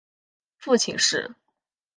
父亲是。